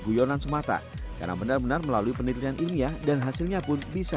guyonan semata karena benar benar melalui penelitian ilmiah dan hasilnya pun bisa